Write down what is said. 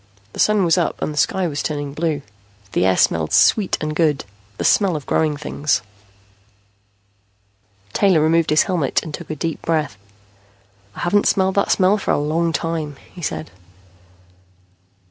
The Sun was up and the sky was turning blue. The air smelled sweet and good, the smell of growing things. Taylor removed his helmet and took a deep breath. "I haven't smelled that smell for a long time," he said.